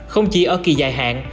không chỉ ở kỳ dài hạn